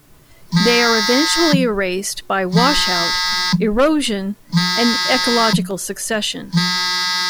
They are eventually erased by washout, erosion, and ecological succession.